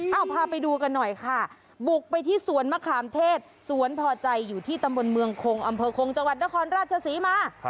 เอาพาไปดูกันหน่อยค่ะบุกไปที่สวนมะขามเทศสวนพอใจอยู่ที่ตำบลเมืองคงอำเภอคงจังหวัดนครราชศรีมา